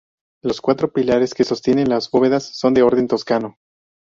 Los cuatro pilares que sostienen las bóvedas son de orden toscano.